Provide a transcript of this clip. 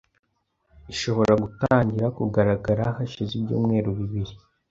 ishobora gutangira kugaragara hashize ibyumweru bibiri